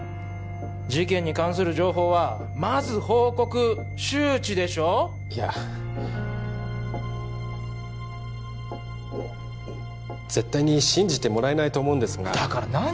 事件に関する情報はまず報告周知でしょいや絶対に信じてもらえないと思うんですがだから何？